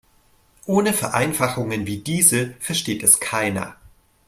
Ohne Vereinfachungen wie diese versteht es keiner.